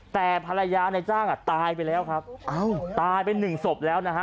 แต่ภรรยาในจ้างอ่ะตายไปแล้วครับอ้าวตายไปหนึ่งศพแล้วนะฮะ